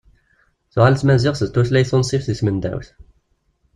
Tuɣal tmaziɣt d tutlayt tunṣbt di tmendawt.